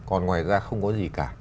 còn ngoài ra không có gì cả